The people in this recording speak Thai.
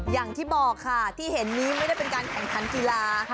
อย่างที่บอกค่ะที่เห็นนี้ไม่ได้เป็นการแข่งขันกีฬา